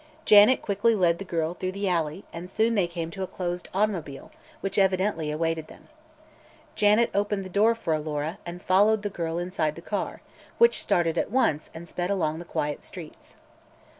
Janet quickly led the girl through the alley and soon they came to a closed automobile which evidently awaited them. Janet opened the door for Alora and followed the girl inside the car, which started at once and sped along the quiet streets.